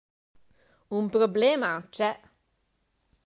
Un problema c'è.